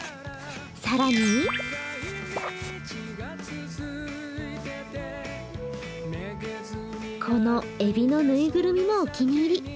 更にこの、えびの縫いぐるみもお気に入り。